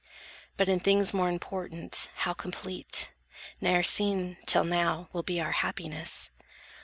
But in things more important, how complete, Ne'er seen, till now, will be our happiness!